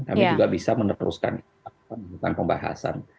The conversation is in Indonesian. kami juga bisa meneruskan pembahasan